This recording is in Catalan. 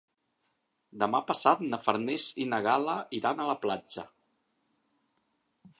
Demà passat na Farners i na Gal·la iran a la platja.